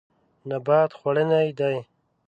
نبات خوړنی دی.